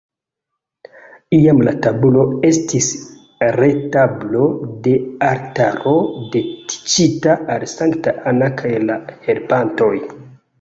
Iam la tabulo estis retablo de altaro dediĉita al Sankta Anna kaj la helpantoj.